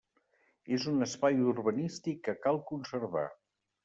És un espai urbanístic que cal conservar.